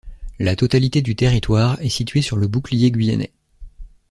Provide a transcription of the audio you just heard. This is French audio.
La totalité du territoire est situé sur le bouclier guyanais.